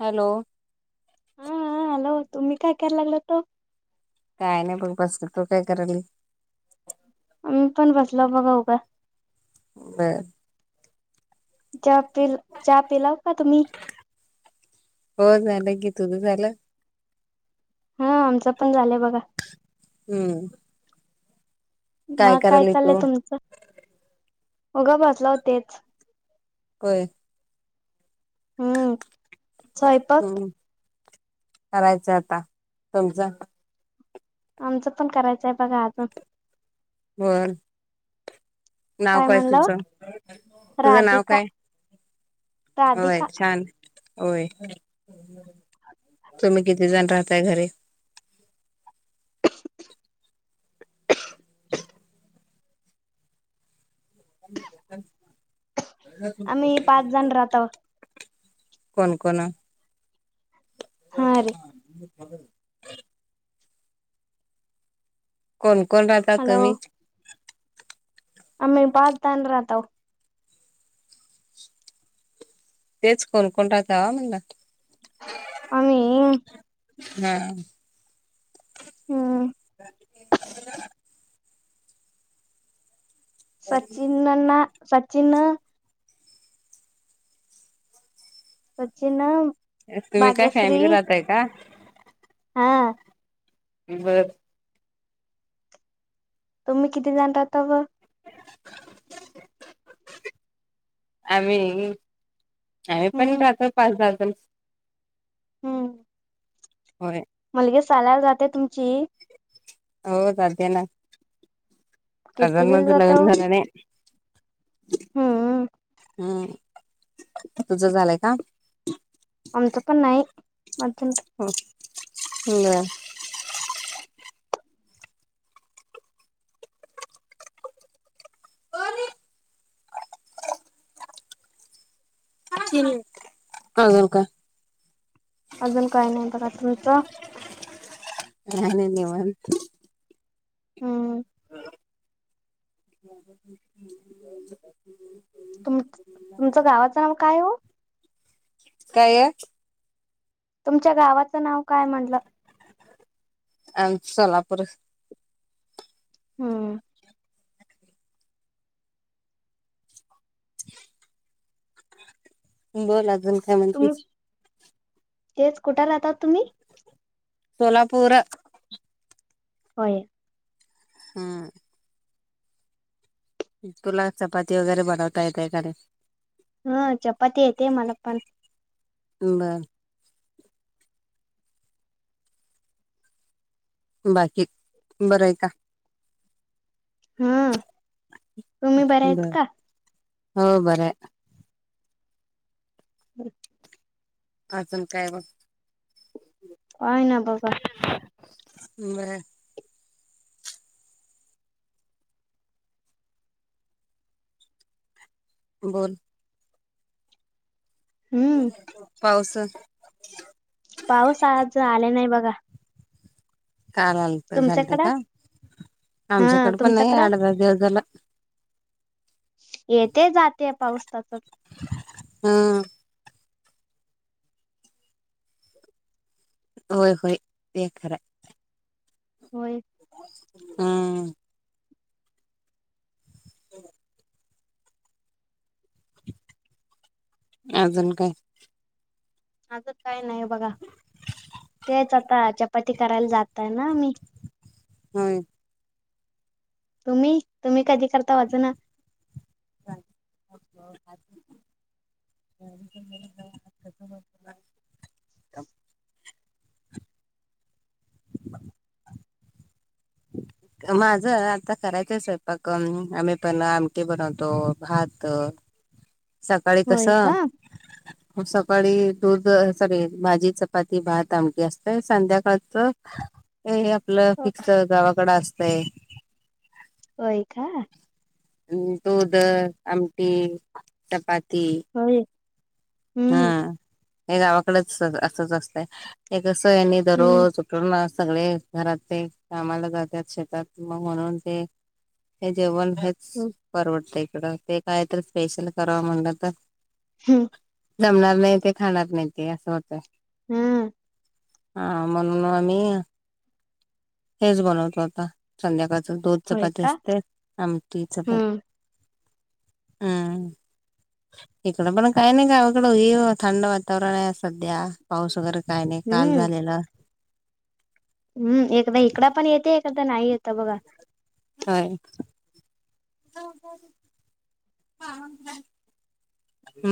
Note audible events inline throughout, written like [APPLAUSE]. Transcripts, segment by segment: Hello. हा हा hello, तुम्ही काय कराय लागलात ओ? काय नाही बघ बसलं. तू काय करायली? मी पण बसलाव, बघाव का? बर. चहा पिल, चहा पिलाव का तुम्ही? हो झालं की तुझ झालं? हा, आमचं पण झालंय बघा. हम्म. मग काय करायली चाललंय तू तुमचं? उगं बसलाव, तेच. होय. हम्म. [UNINTELLIGIBLE] स्वयंपाक हम्म करायचं आता. तुमचं? आमचं पण करायचंय बघा अजून. बर. नाव काय तुझं? तुझं नाव राधिका काय? होय, राधिका छान. होय, तुम्ही किती जण राहताय घरी? [UNINTELLIGIBLE] [UNINTELLIGIBLE] आम्ही, पाच जण राहताव. कोण, कोण? हा रे [UNINTELLIGIBLE] कोण, कोण राहता हॅलो तुम्ही? आम्ही [UNINTELLIGIBLE] राहताव. तेच कोण, कोण राहतवा म्हणल? [UNINTELLIGIBLE] आम्ही हा हम्म. [UNINTELLIGIBLE] सचिन नाना, सचिन. सचिन. तुम्ही काय, भाग्यश्री फॅमिली राहताय का? हा. बर. तुम्ही किती जण राहता म? [UNINTELLIGIBLE] आम्ही? आम्ही पण हम्म राहतोय पाच - दहा जण. हम्म होय. मुलगी शालाल जाते तुमची? हो जातेना. किती अजुन बिल मुलीचं जात लग्न झालं नाही. हं. हम्. तुझं झालंय का? आमचं पण नाही आजुन तर. हो. [UNINTELLIGIBLE] [UNINTELLIGIBLE] आजुन काय? अजून काय नाही बघा. तुमचं? काय नाही निवांत. हम्म. [UNINTELLIGIBLE] तुम तुमचं गावाचं नाव काय ओ? काय? तुमच्या गावाचं नाव काय म्हणलं? आमचं सोलापुरचं. हम्म. बोल अजून. काय म्हणती तुम्ही, तेच कुठे राहतात तुम्ही? सोलापूर. होय. हं. तुला चपाती वगैरे बनवता येत का नाही? हा. चपाती येते मला पण. बरं. बाकी, बरं हाय का? हं. बर, हो बरं हाय. [UNINTELLIGIBLE] अजून काय मग? काय ना बघा. [UNINTELLIGIBLE] बोल. हम्. पाऊस. पाऊस आज आले नाही बघा. काल आलत झालत तुमच्याकडं का? हा आमच्याकडपण नाही तुमच्याकडं अठ, दहा दिवस झालं. येते जाते पाऊस तसं. हां. होय, होय. ते खरायं. होय. हं. [INAUDIBLE] अजून काय? आजून काय नाही बघा. तेच आता चपाती करायला जात आहे ना मी हो तुम्ही तुम्ही कधी करता अज ना [INAUDIBLE] [INAUDIBLE] [INAUDIBLE] [UNINTELLIGIBLE] माझं आता करायचं स्वयंपाक आम्ही पण आमटी बनवतो भात सकाळी कस होय का सकाळी दूध सॉरी भाजी चपाती भात आमटी असतेय संध्याकाळच [UNINTELLIGIBLE] हे आपलं फिक्स गावाकड असतंय होय का म् दूध आमटी चपाती हो हम्म हे गावाकडेच असच असतंय हे कस आहे हम्म दररोज सगळे घरात ते कामाला जातात शेतात मग म्हणून ते हे जेवण हच हम परवडत इकडं ते काय तर स्पेशल करावं म्हणलं तर हम जमणार नाही ते खाणार नाही ते असं होतय हम्म हा म्हणून आम्ही हेच बनवतो आता संध्याकाळच दोध होय चपाती का असते आमठी चपाती हम्म ह इकडं पण काही नाही कावाकडं थंड वातावरण आहे सध्या पाऊस वगैरे काय नाही काल हम्म झालेला हम्म एकखदा इकड पण येते एखादा नाही येतं बघा ह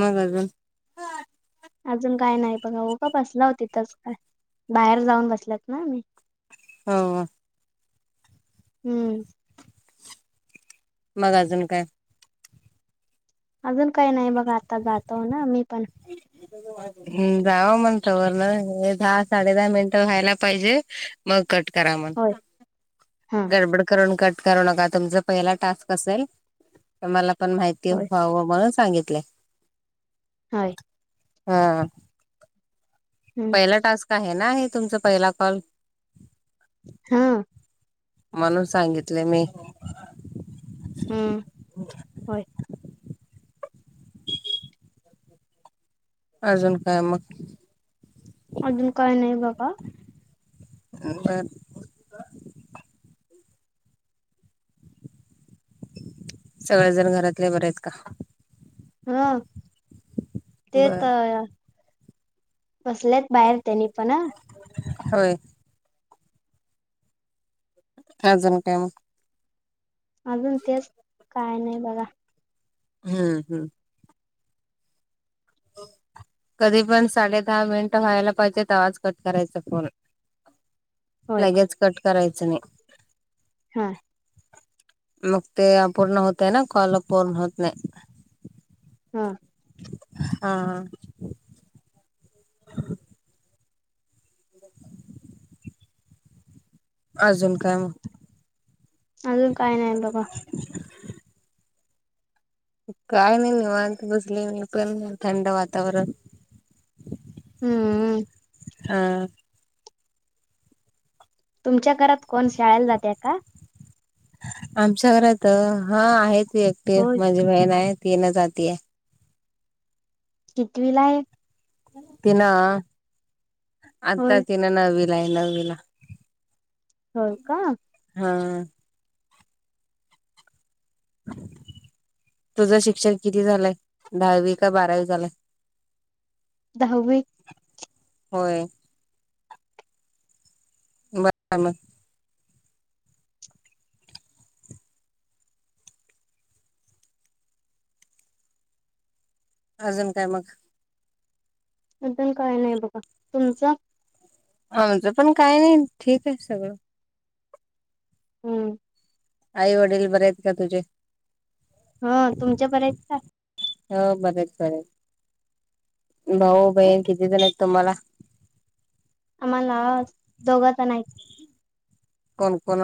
मग अजून अजून काय नाही बघा हो का बसला हो तिथच काय बाहेर जाऊन बसल्यात ना मी हो हम्म मग अजून काय अजून काही नाही बघा आता जातो ना मी पण जाव म्हणत व ना हे दहा साडे दहा मिनिटं व्हायला पाहिजे मग कट करा म्ह हा डब करून क करू नका तुम पहिला टास्क असेल मला पण माहिती होय व्हावं म्हणून सांगितलेय ह हा हम्म पहिला टास्क आहे ना हे तुमचा पहिला कॉल हा म्हणून सांगितले मी हम्म होय अर्जन काय म का अजून काय नाही बघा आ सगळेजण घरातले बरे आहेत का हा ते बर तर बसल्यात बाहेर त्यांनी पण होय काय झालं काय माहित अजून तेच काय नाही बघा हम्म हम्म कधी पण साडे दहा मिनिटं व्हायला पाहिजे तवाचं कट करायचा फोन [INAUDIBLE] लगेचं कट करायचं नाही हा मग ते अपूर्ण होतय ना कॉल पूर्ण होत नाही हा हा अजून काय अजून काय नाही बघा काय नाही निवांत बसले मी पण थंड वातावरण हम्म हा तुमच्या घरात कोण शाळाला जाते का आमच्या घरात हा आहे ती एकटी होय माझी बहीण आहे ती येन जातीय कितवीला हाय तिन आता होय तिनं नववीलाय नव्वीला हो का हा [INAUDIBLE] तुझं शिक्षण किती झालंय दहावी का बारावी झालंय दहावी होय [INAUDIBLE] अजून काय मग मल काय नाही बघा तुमचं आमचं पण काय नाही ठीक आहे सगळं हम्म आई वडील बरे आहेत का तुझे ह तुमचे बरे आहेत का हो बरे आहेत बरे आहेत भाऊ का बहीन कितीे तुला तुम्हाला आम्हाला दोघजणं आहेत कोण कोण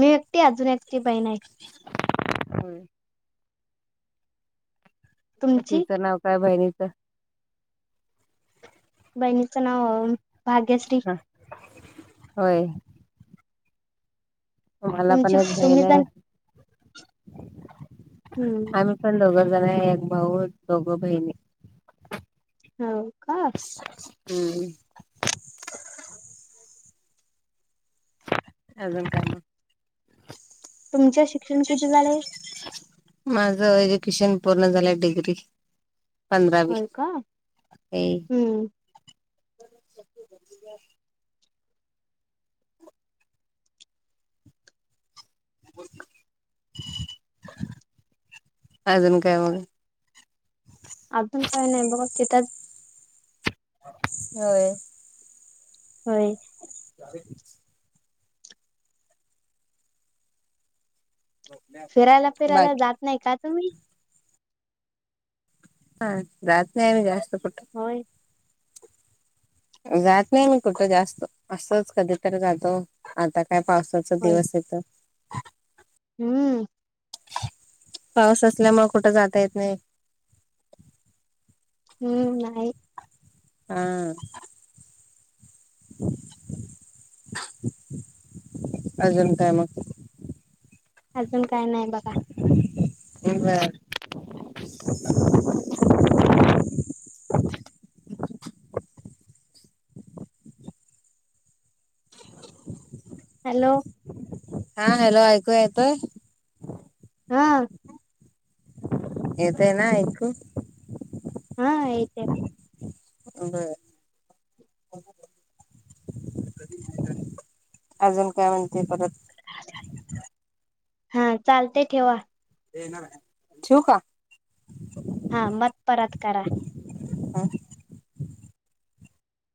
मी एकटी अजून एकटी बहीण आहे हो तुमची तिचं नाव काय बहिणीचं बहिणीचं नाव भाग्यश्री ह होय मला पण तुमची एक बहीण तुम्ही आहे जण हम्म आम्ही पण दोघ जणं आहे एक भाऊ दोघ बहिणी हो का हम्म अजून काय मग तुमच्या शिक्षण किती झालंय माझ एज्युकेशन पूर्ण झालं डिग्री. पधरावी होय का ते, हम्म अजून काय मग अजून काही नाही बघा तिथ होय होय अ फिरायला फिरायला बाकी जात नाही का तुम्ही हा रात्री आमही जास्त पुठ होय जात नाही मी कुठतं जास्त असंच कधी तर जातो आता काय पावसाचा होय दिवस येत हम्म पाऊस असल्यामुळे कुठं जाता येत नाही हम्म नाही हम् अजण काय मग अजून काय नाही बघा ह [UNINTELLIGIBLE] [INAUDIBLE] हॅलो हा हॅलो आऐकोय ययेतो हा येतय ना ऐकू हा यत अे अजून काय म्हणते परत हा चालते ठेवा ठू का हा मत परत करा हा